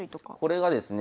これがですねえ